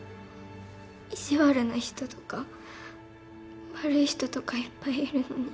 意地悪な人とか悪い人とかいっぱいいるのに。